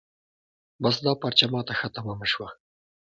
بس دا پارچه ما ته ښه تمامه شوه.